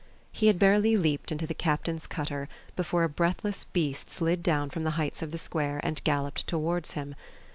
He had barely leaped into the captain's cutter before a breathless beast slid down from the heights of the square and galloped towards him.